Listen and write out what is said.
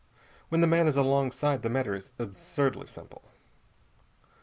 When the man is alongside, the matter is absurdly simple.